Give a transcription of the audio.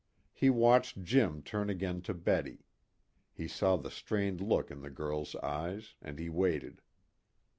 He watched Jim turn again to Betty. He saw the strained look in the girl's eyes, and he waited.